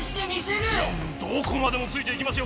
どこまでもついていきますよ